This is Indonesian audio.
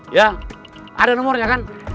ya ada nomornya kan